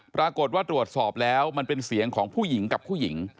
ปรากฏว่าตรวจสอบแล้วมันเป็นเสียงของผู้หญิงกับผู้หญิง